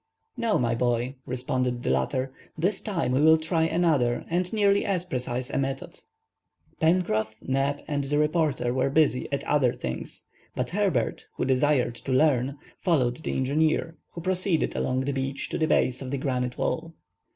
"No, my boy," responded the latter, "this time we will try another and nearly as precise a method." Pencroff, Neb, and the reporter were busy at other things; but Herbert, who desired to learn, followed the engineer, who proceeded along the beach to the base of the granite wall.